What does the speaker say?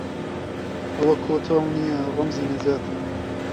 ئەوە کۆتەڵ نییە ڕەمزی نەجاتە